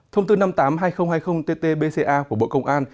thông tư năm mươi tám hai nghìn hai mươi tt bca của bộ công an